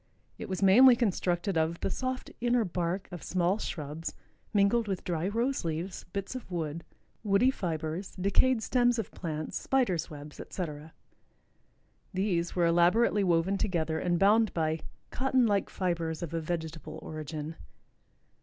It was mainly constructed of "the soft inner bark of small shrubs mingled with dry rose leaves, bits of wood, woody fibers, decayed stems of plants, spiders' webs, etc." These were elaborately woven together and bound by "cotton like fibers of a vegetable origin."